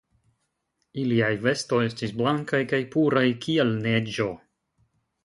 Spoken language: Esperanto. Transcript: Iliaj vestoj estis blankaj kaj puraj kiel neĝo.